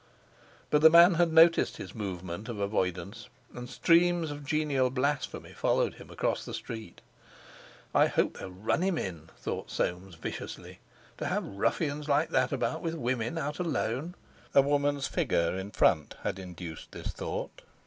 But the man had noticed his movement of avoidance, and streams of genial blasphemy followed him across the street. "I hope they'll run him in," thought Soames viciously. "To have ruffians like that about, with women out alone!" A woman's figure in front had induced this thought.